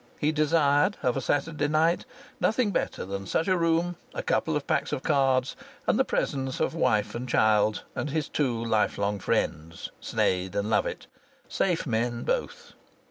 He desired, of a Saturday night, nothing better than such a room, a couple of packs of cards, and the presence of wife and child and his two life long friends, Sneyd and Lovatt safe men both.